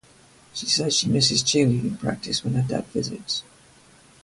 She says she misses cheerleading practice when her dad visits